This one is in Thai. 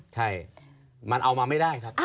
ใช่มันเอามาไม่ได้ครับ